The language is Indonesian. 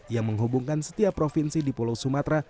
yang menghubungkan setiap provinsi di pulau sumatera